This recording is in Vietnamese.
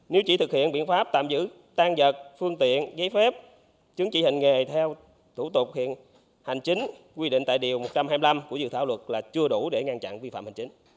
nếu chỉ thực hiện biện pháp tạm giữ tăng vật phương tiện giấy phép chứng chỉ hành nghề theo thủ tục hiện hành chính quy định tại điều một trăm hai mươi năm của dự thảo luật là chưa đủ để ngăn chặn vi phạm hành chính